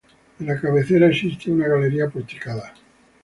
En la cabecera existe una galería porticada.